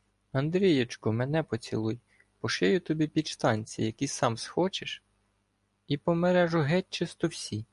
— Андрієчку, мене поцілуй! Пошию тобі підштанці, які сам схочеш! І помережу геть-чисто всі.